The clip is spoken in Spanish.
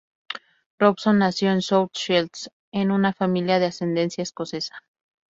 Robson nació en South Shields, en una familia de ascendencia escocesa.